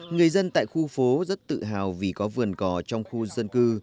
người dân tại khu phố rất tự hào vì có vườn cò trong khu dân cư